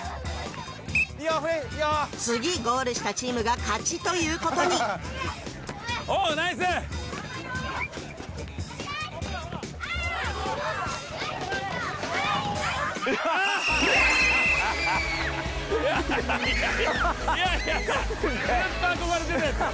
次ゴールしたチームが勝ちということにおナイスいやいやずっと憧れていたやつだ